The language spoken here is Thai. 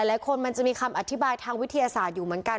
มันจะมีคำอธิบายทางวิทยาศาสตร์อยู่เหมือนกัน